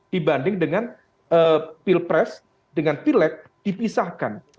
dibanding dengan pilpres dengan pilek dipisahkan